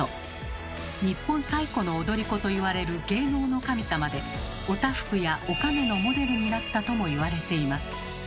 日本最古の踊り子といわれる芸能の神様でお多福やおかめのモデルになったともいわれています。